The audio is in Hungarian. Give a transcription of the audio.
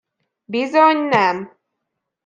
Bizony nem.